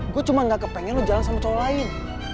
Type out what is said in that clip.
gua cuma gak kepengen lu jalan sama cowo lain